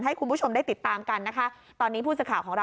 ให้คุณผู้ชมได้ติดตามกันนะคะ